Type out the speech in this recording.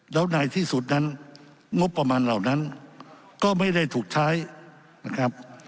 แล้วในที่สุดนั้นงบประมาณเหล่านั้นก็ไม่ได้ถูกใช้นะครับ